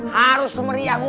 harus meriah mungkin